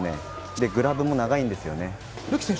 グラブも長いんですよね。